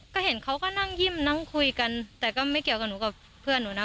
ก็เห็นเขาก็นั่งยิ้มนั่งคุยกันแต่ก็ไม่เกี่ยวกับหนูกับเพื่อนหนูนะ